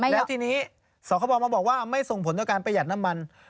แล้วทีนี้สคบมาบอกว่าไม่ส่งผลต่อการประหยัดน้ำมัน